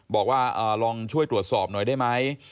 บอกว่าลองช่วยตรวจสอบหน่อยได้ไหม